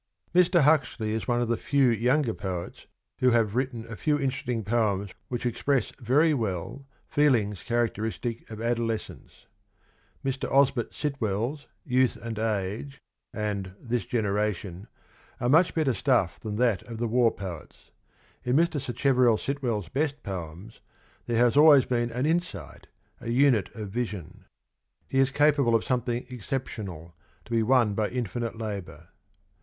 ... Mr. Huxley is one of the few younger poets who have written a few interesting poems which express very well feelings characteristic of adolescence. ... Mr. Osbert Sitwell's ' Youth and Age ' and ' This Generation ' are much better stuff than that of the war poets. In Mr. Sacheverell Sitwell's best poems there has always been an insight, a unit of vision. ... He is capable of something exceptional, to be won by infinite labour.